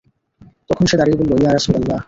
তখন সে দাঁড়িয়ে বলল, ইয়া রাসূলাল্লাহ!